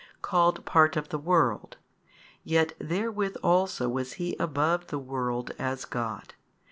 called part of the world; yet therewith also was He above: the world as God.